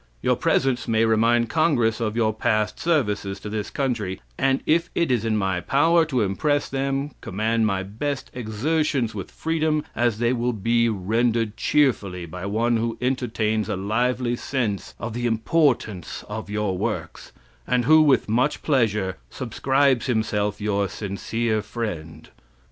Your presence may remind Congress of your past services to this country; and if it is in my power to impress them, command my best exertions with freedom, as they will be rendered cheerfully by one who entertains a lively sense of the importance of your works, and who, with much pleasure, subscribes himself your sincere friend.